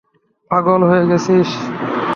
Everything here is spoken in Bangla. পাগল হয়ে গেছিস?